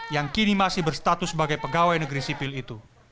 yang kini masih berstatus sebagai pegawai negeri sipil itu